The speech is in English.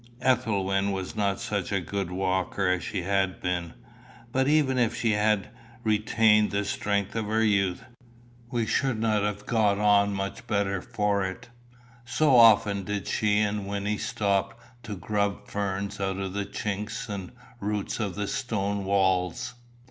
Ethelwyn was not such a good walker as she had been; but even if she had retained the strength of her youth, we should not have got on much the better for it so often did she and Wynnie stop to grub ferns out of the chinks and roots of the stone walls.